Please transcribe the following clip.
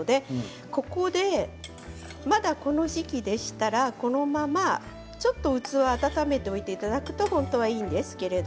ここで、この時期でしたらこのままちょっと器を温めておいていただくと本当はいいんですけれど。